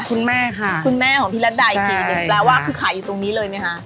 คุณแม่ค่ะคุณแม่ของพี่รัฐดาอีกทีหนึ่งแปลว่าคือขายอยู่ตรงนี้เลยไหมคะ